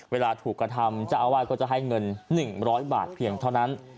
เวลาถูกกระทำเจ้าอาวาสก็จะให้เงิน๑๐๐บาทเพียงเท่านั้น